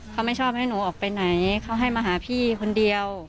เขาไม่ชอบให้หนูออกไปไหนเขาให้มาหาพี่คนเดียว